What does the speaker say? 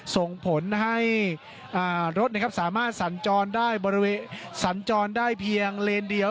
ส่งผลให้รถสามารถสั่นจรได้เพียงเลนเดียว